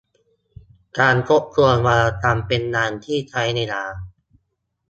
การทบทวนวรรณกรรมเป็นงานที่ใช้เวลา